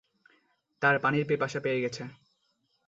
তার পানির পিপাসা পেয়ে গেছে।